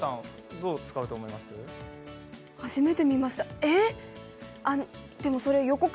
どう使うと思いますか？